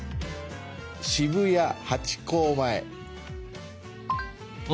渋谷ハチ公前。